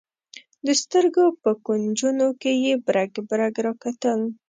د سترګو په کونجونو کې یې برګ برګ راکتل.